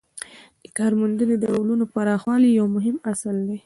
د کارموندنې د ډولونو پراخوالی یو مهم اصل دی.